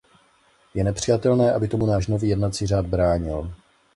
Je nepřijatelné, aby tomu náš nový jednací řád bránil.